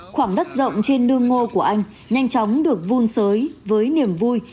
khoảng đất rộng trên nương ngô của anh nhanh chóng được vun sới với niềm vui